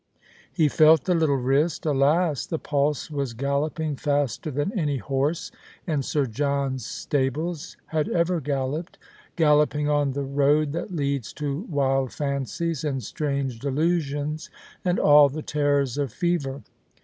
He felt the little wrist. Alas ! the pulse was galloping faster than any horse in Sir John's stables had ever galloped — galloping on the road that leads to wild fancies and strange delusions and all the terrors of fever.